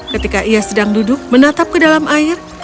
ketika ia sedang duduk menatap ke dalam air